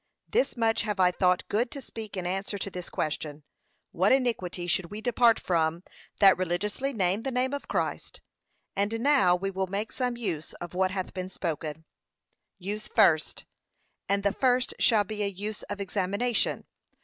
Thus much have I thought good to speak in answer to this question, What iniquity should we depart from that religiously name the name of Christ? And now we will make some use of what hath been spoken. USE FIRST. And the first shall be a use of examination.